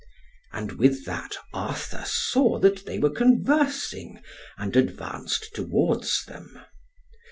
And with that Arthur saw that they were conversing, and advanced towards them.